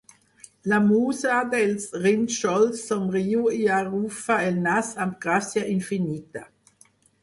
La musa dels rínxols somriu i arrufa el nas amb gràcia infinita.